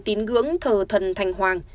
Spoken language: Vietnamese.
tín ngưỡng thờ thần thành hoàng